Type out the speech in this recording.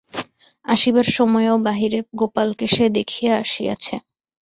আসিবার সময়ও বাহিরে গোপালকে সে দেখিয়া আসিয়াছে।